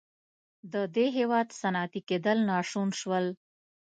د دې هېواد صنعتي کېدل ناشون شول.